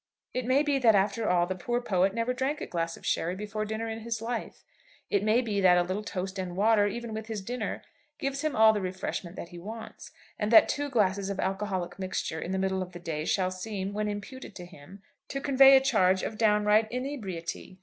It may be that after all the poor poet never drank a glass of sherry before dinner in his life, it may be that a little toast and water, even with his dinner, gives him all the refreshment that he wants, and that two glasses of alcoholic mixture in the middle of the day shall seem, when imputed to him, to convey a charge of downright inebriety.